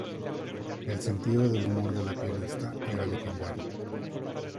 El sentido del humor de la pianista era legendario.